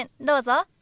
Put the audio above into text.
どうぞ。